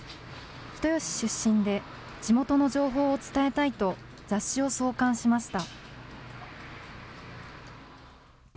人吉出身で、地元の情報を伝えたいと、雑誌を創刊しました。